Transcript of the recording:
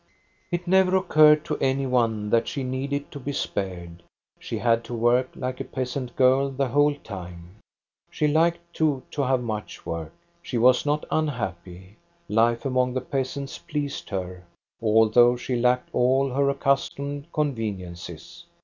It never occurred to any one that she needed to be spared ; she had to work like a peasant girl the whole time. She liked too to have much work. She was not unhappy. Life among the peasants pleased her, although she lacked all her accustomed conveniences.